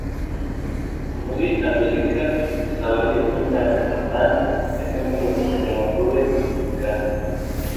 Muri Amerika bisaba nibura imyaka umunani ya kaminuza kugirango ube umuganga